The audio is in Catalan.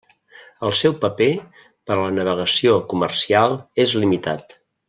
El seu paper per a la navegació comercial és limitat.